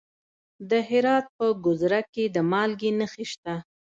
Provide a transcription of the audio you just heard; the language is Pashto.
د هرات په ګذره کې د مالګې نښې شته.